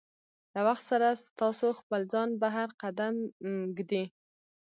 له وخت سره ستاسو خپل ځان بهر قدم ږدي.